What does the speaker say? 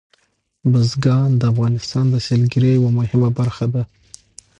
بزګان د افغانستان د سیلګرۍ یوه مهمه برخه ده.